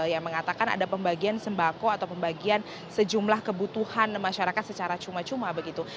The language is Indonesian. yang mengatakan ada pembagian sembako atau pembagian sejumlah kebutuhan masyarakat secara cuma cuma begitu